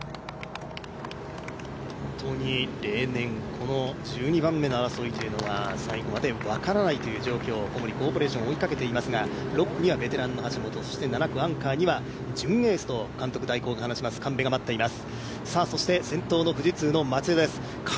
本当に例年１２番目の争いというのが最後まで分からないという状況、小森コーポレーションを追いかけていますが、６区にはベテランの橋本、７区アンカーには準エースの神戸が待っています。